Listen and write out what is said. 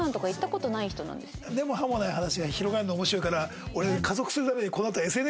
根も葉もない話が広がるの面白いから俺。